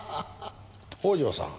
北条さん。